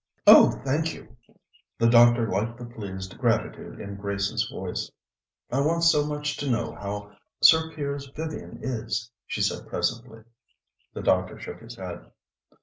"Oh, thank you." The doctor liked the pleased gratitude in Grace's voice. "I want so much to know how Sir Piers Vivian is," she said presently. The doctor shook his head.